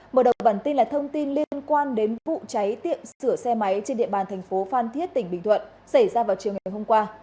mở đầu bản tin là thông tin liên quan đến vụ cháy tiệm sửa xe máy trên địa bàn thành phố phan thiết tỉnh bình thuận xảy ra vào chiều ngày hôm qua